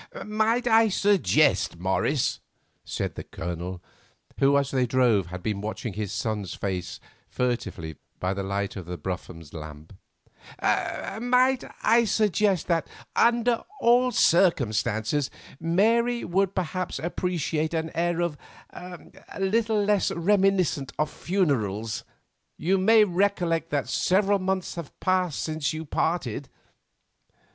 "Might I suggest, Morris," said the Colonel, who as they drove, had been watching his son's face furtively by the light of the brougham lamp—"might I suggest that, under all the circumstances, Mary would perhaps appreciate an air a little less reminiscent of funerals? You may recollect that several months have passed since you parted."